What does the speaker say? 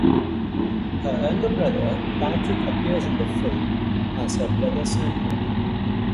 Her younger brother Patrick appears in the film as her brother Samuel.